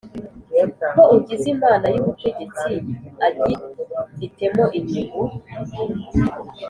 ko ugize Inama y Ubutegetsi agifitemo inyungu.